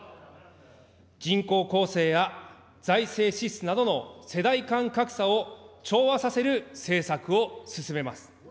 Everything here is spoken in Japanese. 人口構成や財政支出などの世代間格差を調和させる政策を進めます。